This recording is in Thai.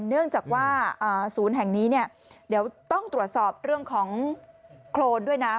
เนื่องจากว่าศูนย์แห่งนี้ต้องตรวจสอบเรื่องของโคลนด้วยนะ